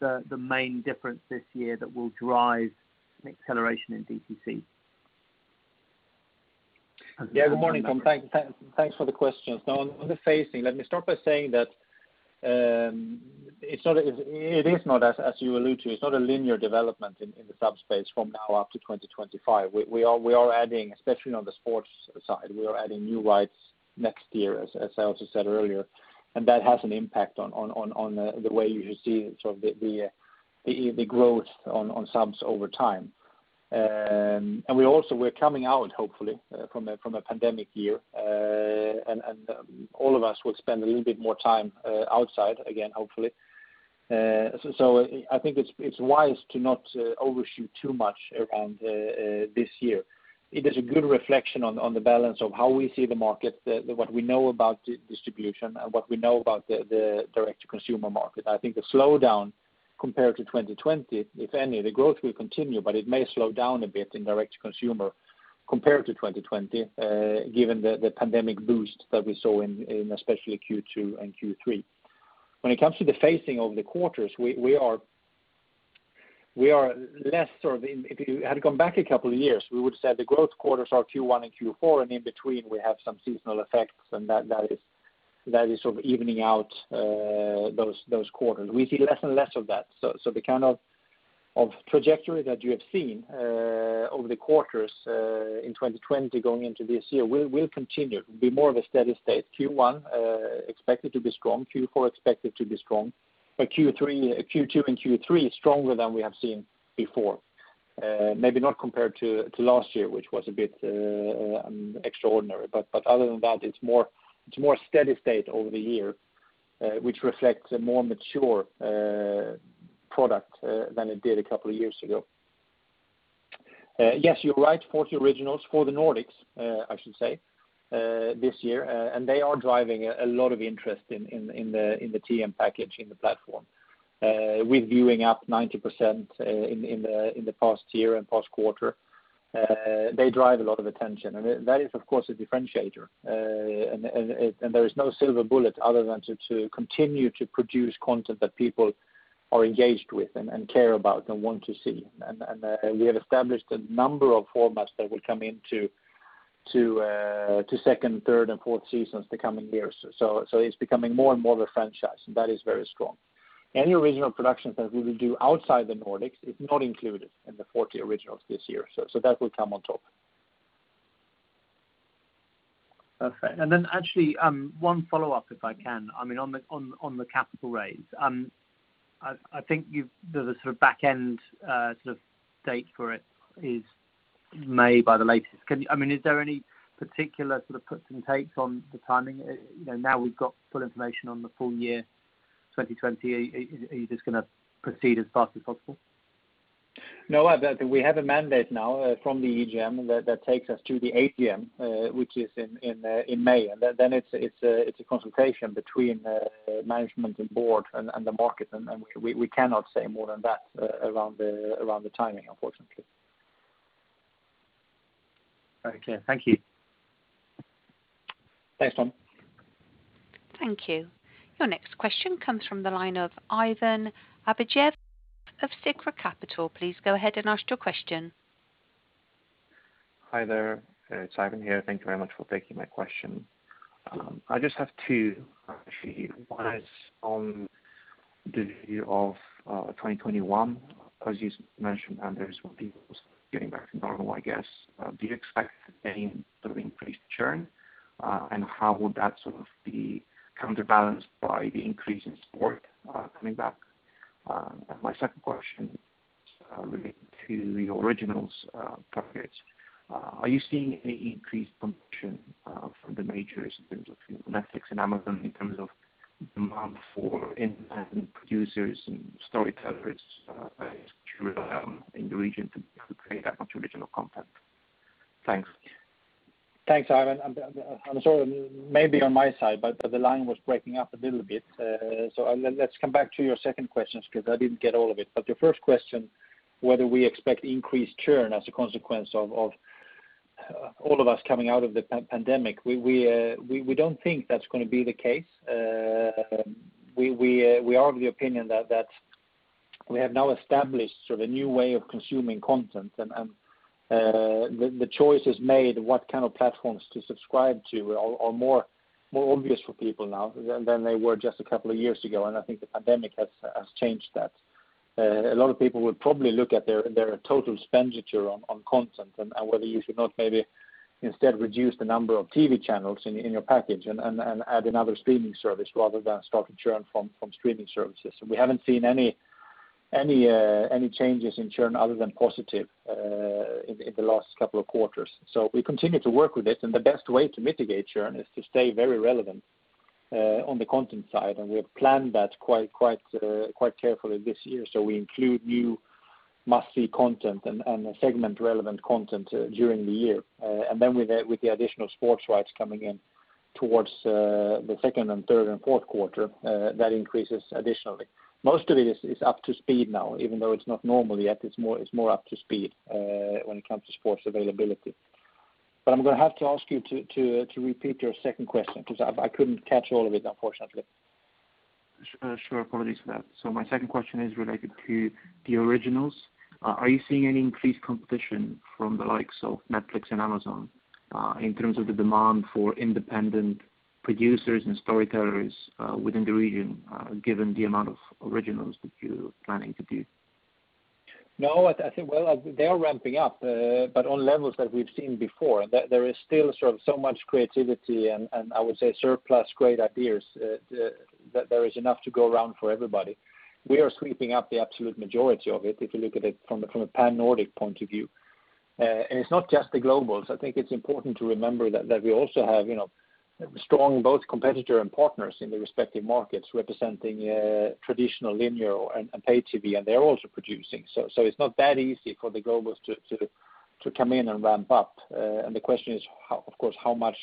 the main difference this year that will drive an acceleration in DTC? Good morning, Tom. Thanks for the questions. On the phasing, let me start by saying that it is not, as you allude to, it's not a linear development in the sub space from now up to 2025. We are adding, especially on the sports side, we are adding new rights next year, as I also said earlier, that has an impact on the way you should see the growth on subs over time. We also, we're coming out hopefully from a pandemic year. All of us will spend a little bit more time outside again, hopefully. I think it's wise to not overshoot too much around this year. It is a good reflection on the balance of how we see the market, what we know about distribution, and what we know about the direct-to-consumer market. I think the slowdown compared to 2020, if any, the growth will continue, but it may slow down a bit in direct to consumer compared to 2020 given the pandemic boost that we saw in especially Q2 and Q3. When it comes to the phasing of the quarters, if you had gone back a couple of years, we would have said the growth quarters are Q1 and Q4, and in between we have some seasonal effects and that is sort of evening out those quarters. We see less and less of that. The kind of trajectory that you have seen over the quarters in 2020 going into this year will continue. It will be more of a steady state. Q1 expected to be strong, Q4 expected to be strong, but Q2 and Q3 stronger than we have seen before. Maybe not compared to last year, which was a bit extraordinary. Other than that, it's more steady state over the year, which reflects a more mature product than it did a couple of years ago. Yes, you're right, 40 originals for the Nordics, I should say, this year. They are driving a lot of interest in the TM package in the platform. With viewing up 90% in the past year and past quarter, they drive a lot of attention. That is, of course, a differentiator. There is no silver bullet other than to continue to produce content that people are engaged with and care about and want to see. We have established a number of formats that will come into second, third, and fourth seasons the coming years. It's becoming more and more of a franchise, and that is very strong. Any original productions that we will do outside the Nordics is not included in the 40 originals this year. That will come on top. Perfect. Actually, one follow-up, if I can. On the capital raise, I think there's a back end date for it is May by the latest. Is there any particular sort of puts and takes on the timing? Now we've got full information on the full year 2020, are you just going to proceed as fast as possible? No. We have a mandate now from the EGM that takes us to the AGM which is in May. Then it's a consultation between management and board and the market, and we cannot say more than that around the timing, unfortunately. Okay. Thank you. Thanks, Tom. Thank you. Your next question comes from the line of Ivan Abadjiev of Sikra Capital. Please go ahead and ask your question. Hi there. It's Ivan here. Thank you very much for taking my question. I just have two, actually. One is on the view of 2021. As you mentioned, Anders, with people getting back to normal, I guess, do you expect any sort of increased churn? How would that sort of be counterbalanced by the increase in sport coming back? My second question is related to the originals targets. Are you seeing any increased competition from the majors in terms of Netflix and Amazon, in terms of demand for independent producers and storytellers in the region to create that much original content? Thanks. Thanks, Ivan. I'm sorry, maybe on my side, the line was breaking up a little bit. Let's come back to your second questions because I didn't get all of it. Your first question, whether we expect increased churn as a consequence of all of us coming out of the pandemic, we don't think that's going to be the case. We are of the opinion that we have now established sort of a new way of consuming content, and the choices made what kind of platforms to subscribe to are more obvious for people now than they were just a couple of years ago, and I think the pandemic has changed that. A lot of people would probably look at their total expenditure on content and whether you should not maybe instead reduce the number of TV channels in your package and add another streaming service rather than start to churn from streaming services. We haven't seen any changes in churn other than positive in the last couple of quarters. We continue to work with it, and the best way to mitigate churn is to stay very relevant on the content side, and we have planned that quite carefully this year. We include new must-see content and segment-relevant content during the year. With the additional sports rights coming in towards the second and third and fourth quarter, that increases additionally. Most of it is up to speed now, even though it's not normal yet, it's more up to speed when it comes to sports availability. I'm going to have to ask you to repeat your second question, because I couldn't catch all of it, unfortunately. Sure. Apologies for that. My second question is related to the originals. Are you seeing any increased competition from the likes of Netflix and Amazon in terms of the demand for independent producers and storytellers within the region, given the amount of originals that you're planning to do? No, I think they are ramping up but on levels that we've seen before. There is still so much creativity and I would say surplus great ideas, that there is enough to go around for everybody. We are sweeping up the absolute majority of it, if you look at it from a pan-Nordic point of view. It's not just the globals. I think it's important to remember that we also have strong both competitor and partners in the respective markets representing traditional linear and pay TV, and they're also producing. It's not that easy for the globals to come in and ramp up. The question is, of course, how much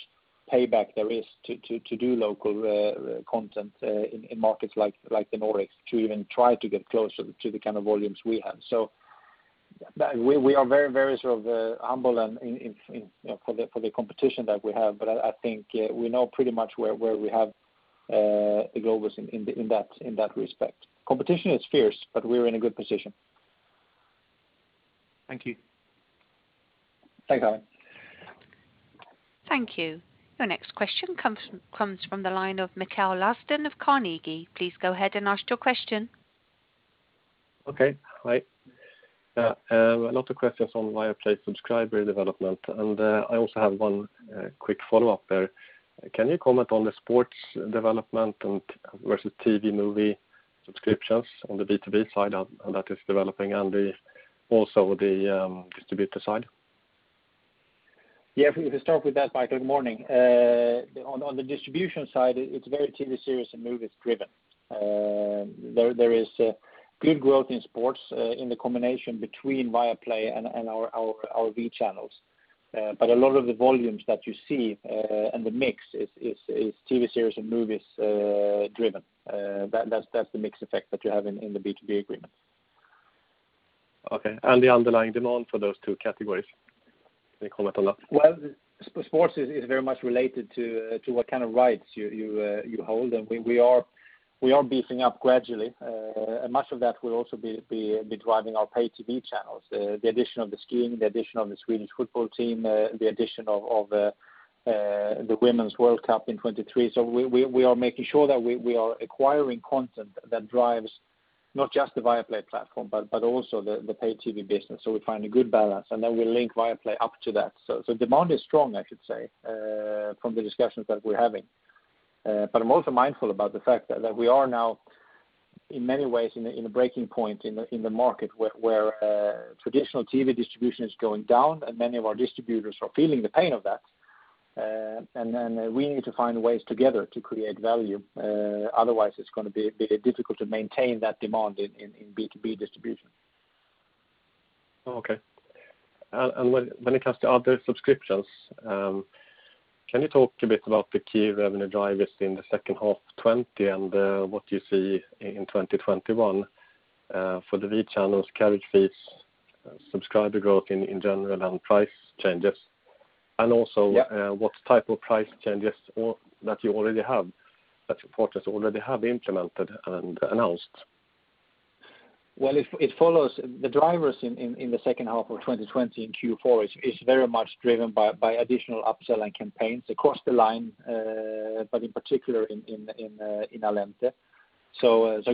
payback there is to do local content in markets like the Nordics to even try to get closer to the kind of volumes we have. We are very humble for the competition that we have, but I think we know pretty much where we have the globals in that respect. Competition is fierce, but we are in a good position. Thank you. Thanks, Ivan. Thank you. Your next question comes from the line of Mikael Laséen of Carnegie. Please go ahead and ask your question. Okay. Hi. A lot of questions on Viaplay subscriber development, and I also have one quick follow-up there. Can you comment on the sports development and versus TV movie subscriptions on the B2B side, how that is developing and also the distributor side? Yeah, if we could start with that, Mikael. Good morning. On the distribution side, it's very TV series and movies driven. There is good growth in sports in the combination between Viaplay and our V channels. A lot of the volumes that you see and the mix is TV series and movies driven. That's the mix effect that you have in the B2B agreement. Okay, the underlying demand for those two categories. Any comment on that? Well, sports is very much related to what kind of rights you hold, and we are beefing up gradually. Much of that will also be driving our pay TV channels, the addition of the skiing, the addition of the Swedish football team, the addition of the Women's World Cup in 2023. We are making sure that we are acquiring content that drives not just the Viaplay platform, but also the pay TV business. We find a good balance, and then we link Viaplay up to that. Demand is strong, I should say, from the discussions that we're having. I'm also mindful about the fact that we are now, in many ways, in a breaking point in the market where traditional TV distribution is going down, and many of our distributors are feeling the pain of that. We need to find ways together to create value. Otherwise, it's going to be difficult to maintain that demand in B2B distribution. Okay. When it comes to other subscriptions, can you talk a bit about the key revenue drivers in the second half 2020, and what you see in 2021 for the V channels carriage fees, subscriber growth in general, and price changes? Yeah What type of price changes that you already have, that your partners already have implemented and announced? Well, it follows the drivers in the second half of 2020 in Q4 is very much driven by additional upsell and campaigns across the line, but in particular in Allente.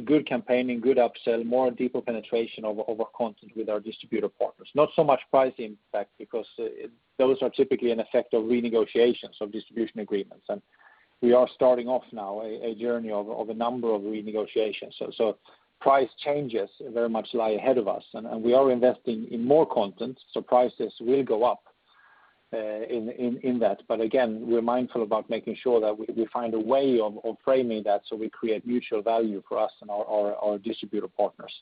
Good campaigning, good upsell, more and deeper penetration over content with our distributor partners. Not so much price impact because those are typically an effect of renegotiations of distribution agreements. We are starting off now a journey of a number of renegotiations. Price changes very much lie ahead of us, and we are investing in more content, so prices will go up in that. Again, we are mindful about making sure that we find a way of framing that so we create mutual value for us and our distributor partners.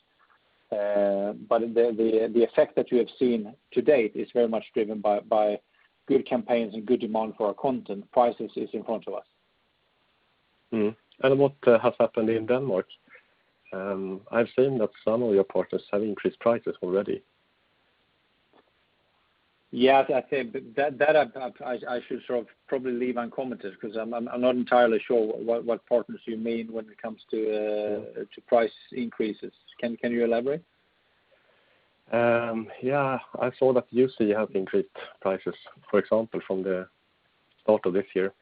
The effect that we have seen to date is very much driven by good campaigns and good demand for our content. Prices is in front of us. What has happened in Denmark? I've seen that some of your partners have increased prices already. Yes, that I should sort of probably leave uncommented because I'm not entirely sure what partners you mean when it comes to price increases. Can you elaborate? Yeah. I saw that YouSee have increased prices, for example, from the start of this year.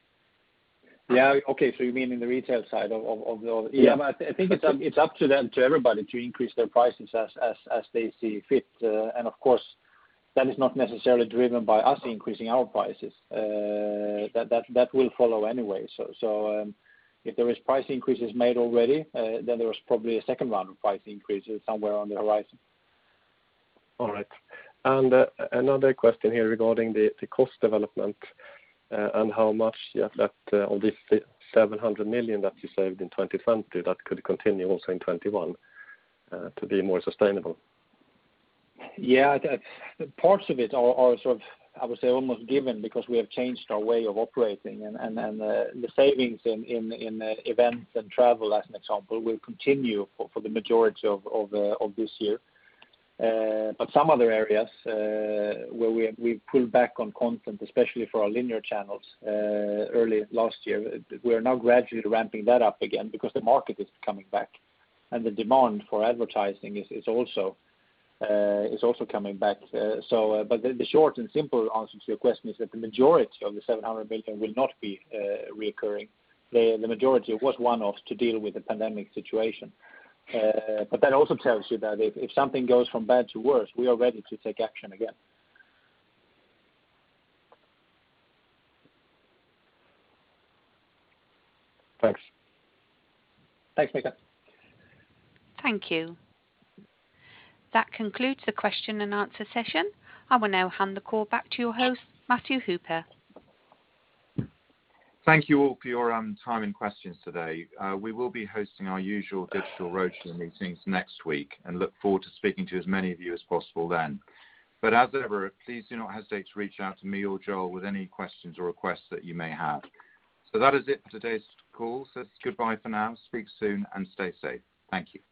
Yeah. Okay, you mean in the retail side of the organization? Yeah. I think it's up to them, to everybody, to increase their prices as they see fit. Of course, that is not necessarily driven by us increasing our prices. That will follow anyway. If there is price increases made already, then there is probably a second round of price increases somewhere on the horizon. All right. Another question here regarding the cost development and how much of this 700 million that you saved in 2020 that could continue also in 2021 to be more sustainable? Yeah. Parts of it are, I would say, almost given because we have changed our way of operating, and the savings in events and travel, as an example, will continue for the majority of this year. Some other areas where we've pulled back on content, especially for our linear channels early last year, we are now gradually ramping that up again because the market is coming back and the demand for advertising is also coming back. The short and simple answer to your question is that the majority of the 700 million will not be recurring. The majority of it was one-off to deal with the pandemic situation. That also tells you that if something goes from bad to worse, we are ready to take action again. Thanks. Thanks, Mikael. Thank you. That concludes the question and answer session. I will now hand the call back to your host, Matthew Hooper. Thank you all for your time and questions today. We will be hosting our usual digital roadshow meetings next week and look forward to speaking to as many of you as possible then. As ever, please do not hesitate to reach out to me or Joel with any questions or requests that you may have. That is it for today's call. It's goodbye for now. Speak soon, and stay safe. Thank you.